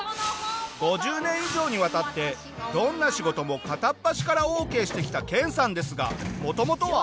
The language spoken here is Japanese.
５０年以上にわたってどんな仕事も片っ端からオーケーしてきた研さんですがもともとは。